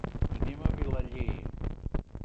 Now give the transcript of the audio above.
Anem a Vilaller.